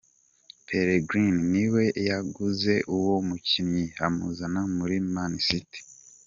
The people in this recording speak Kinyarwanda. Pellegrini ni we yaguze uwo mukinyi, amuzana muri Man City.